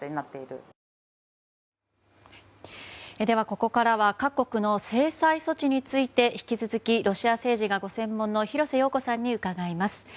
では、ここからは各国の制裁措置について引き続き、ロシア政治がご専門の廣瀬陽子さんに伺います。